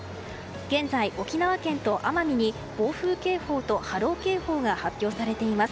現在、沖縄県と奄美に暴風警報と波浪警報が発表されています。